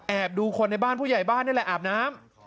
ดูคนในบ้านผู้ใหญ่บ้านนี่แหละอาบน้ำ